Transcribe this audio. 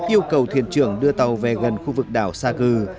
yêu cầu thuyền trưởng đưa tàu về gần khu vực đảo sa kỳ